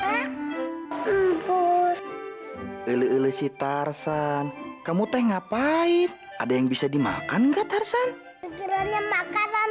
hai mempunyai lele sitar san kamu teh ngapain ada yang bisa dimakan gak tersan kiranya makanan